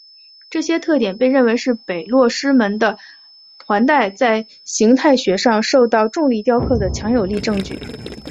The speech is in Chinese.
这些特点被认为是北落师门的环带在形态学上受到重力雕刻的强有力证据。